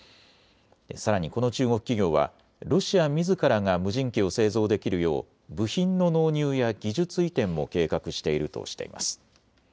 さらにこの中国企業はロシアみずからが無人機を製造できるよう部品の納入や技術移転も計画しているとしています。